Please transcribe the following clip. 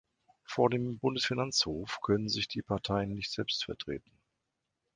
Vor dem Bundesfinanzhof können sich die Parteien nicht selbst vertreten.